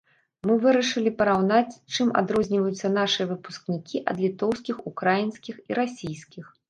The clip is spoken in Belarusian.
Мы вырашылі параўнаць, чым адрозніваюцца нашыя выпускнікі ад літоўскіх, украінскіх і расійскіх.